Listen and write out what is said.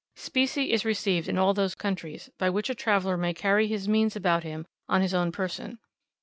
Specie is received in all those countries, by which a traveller may carry his means about with him on his own person.